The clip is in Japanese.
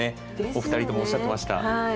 お二人ともおっしゃってました。